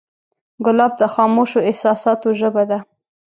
ګلاب د خاموشو احساساتو ژبه ده.